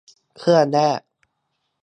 เครื่องแรก